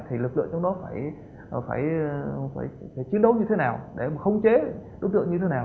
thì lực lượng trong đó phải chiến đấu như thế nào để không chế đối tượng như thế nào